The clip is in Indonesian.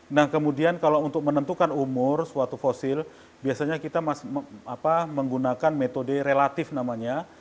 nah kemudian kalau untuk menentukan umur suatu fosil biasanya kita menggunakan metode relatif namanya